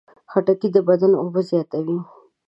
خټکی د بدن اوبه زیاتوي.